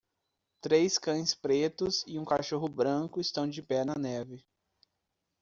Três cães pretos e um cachorro branco estão de pé na neve.